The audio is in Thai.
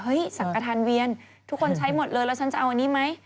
สังกระทานเวียนทุกคนใช้หมดเลยแล้วฉันจะเอาอันนี้ไหม